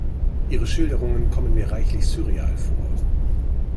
Ihre Schilderungen kommen mir reichlich surreal vor.